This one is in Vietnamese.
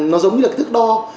nó giống như là cái thức đo